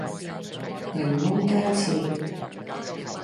檸檬雞翅